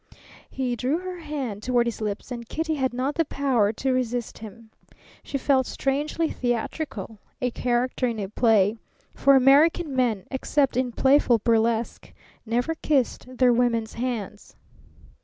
He drew her hand toward his lips, and Kitty had not the power to resist him. She felt strangely theatrical, a character in a play; for American men, except in playful burlesque, never kissed their women's hands.